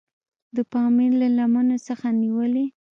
د پامیر له لمنو څخه نیولې.